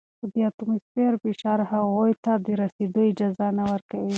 خو د اتموسفیر فشار هغوی ته د رسیدو اجازه نه ورکوي.